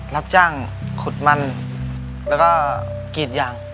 รับจ้างขุดมันแล้วก็กรีดยาง